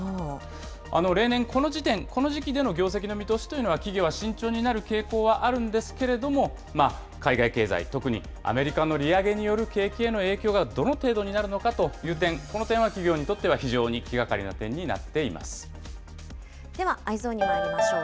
例年、この時期での業績の見通しというのは、企業は慎重になる傾向はあるんですけれども、海外経済、特にアメリカの利上げによる景気への影響がどの程度になるのかという点、この点は企業にとっては非常に気がかりな点になっていまでは、Ｅｙｅｓｏｎにまいりましょう。